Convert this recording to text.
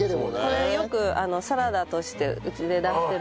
これよくサラダとしてうちで出してる。